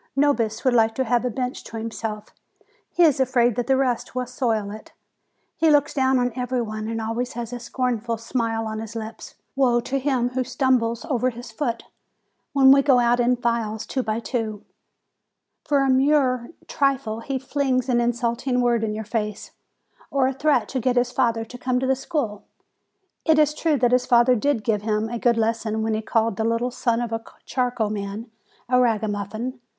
Nobis would like to have a bench to himself; he is afraid that the rest will soil it; he looks down on everybody and always has a scornful smile on his lips : woe to him who stumbles over his foot, when we go out in files two by two ! For a mere trifle he flings an insult ing word in your face, or a threat to get his father to come to the school. It is true that his father did give him a good lesson when he called the little son of the charcoal man a ragamuffin.